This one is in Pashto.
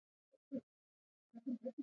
سنگ مرمر د افغانانو د فرهنګي پیژندنې برخه ده.